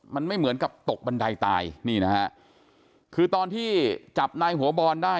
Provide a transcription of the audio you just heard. มันไม่เหมือนกับตกบันไดตายนี่นะฮะคือตอนที่จับนายหัวบอลได้